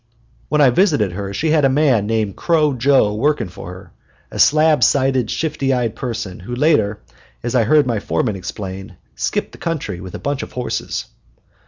When I visited her she had a man named Crow Joe working for her, a slab sided, shifty eyed person who later, as I heard my foreman explain, "skipped the country with a bunch of horses."